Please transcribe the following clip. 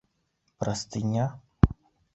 Простыня?